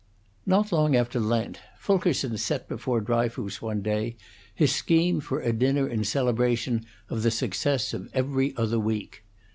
Not long after Lent, Fulkerson set before Dryfoos one day his scheme for a dinner in celebration of the success of 'Every Other Week.'